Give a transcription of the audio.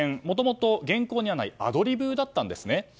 もともと原稿にないアドリブだったんです。